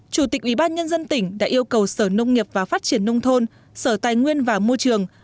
chủ tịch ubnd tỉnh đã yêu cầu sở nông nghiệp và phát triển nông thôn sở tài nguyên và môi trường